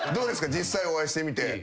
実際お会いしてみて。